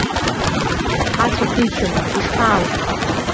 Ҳацәа ҭынчым, ишԥааури?!